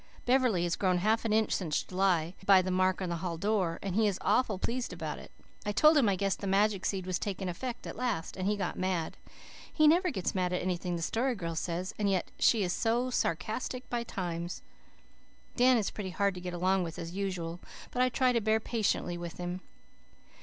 Beverley has grown half an inch since July, by the mark on the hall door, and he is awful pleased about it. I told him I guessed the magic seed was taking effect at last, and he got mad. He never gets mad at anything the Story Girl says, and yet she is so sarkastic by times. Dan is pretty hard to get along with as usul, but I try to bear pashently with him.